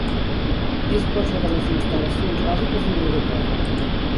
Disposa de les instal·lacions bàsiques d'un aeroport.